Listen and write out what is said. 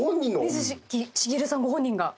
水木しげるさんご本人が？